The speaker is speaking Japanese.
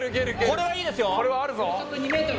これはいいですよ。